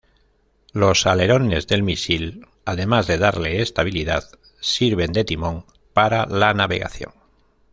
Los alerones del misil además de darle estabilidad sirven de timón para la navegación.